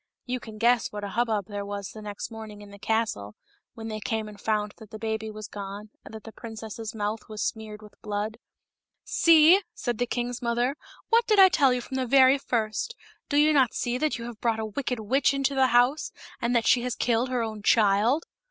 You can guess what a hubbub there was the next morning in the castle, when they came and found that the baby was gone, and that the princess's mouth was smeared with blood. " See," said the king's mother, " what did I tell you from the very first. Do you not see that you have brought a wicked witch into the house, and that she has killed her own child